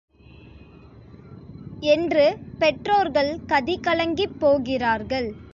என்று பெற்றோர்கள் கதிகலங்கிப் போகிறார்கள்.